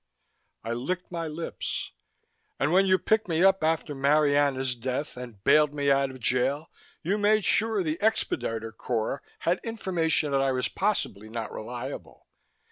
I licked my lips. "And when you picked me up after Marianna's death, and bailed me out of jail, you made sure the expediter corps had information that I was possibly not reliable.